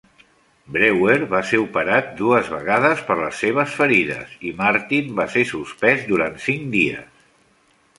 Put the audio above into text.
Brewer va ser operat dues vegades per les seves ferides, i Martin va ser suspès durant cinc dies.